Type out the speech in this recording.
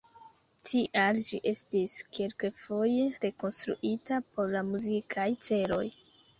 Tial ĝi estis kelkfoje rekonstruita por la muzikaj celoj.